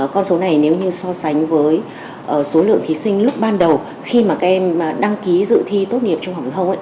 con số này nếu như so sánh với số lượng thí sinh lúc ban đầu khi mà các em đăng ký dự thi tốt nghiệp trung học phổ thông